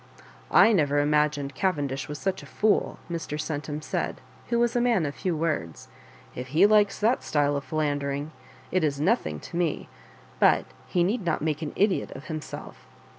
" I never ima gined Cavendish was such a fool," Mr. Centum said, who was a man of few words ;*' if he likes that style of philandering, it is nothing to me, but he need not make an idiot of himself."